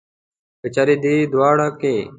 که چېرې دې دواړو کې.